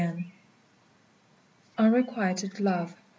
UNREQUITED LOVE.